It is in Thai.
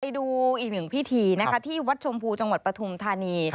ไปดูอีกหนึ่งพิธีนะคะที่วัดชมพูจังหวัดปฐุมธานี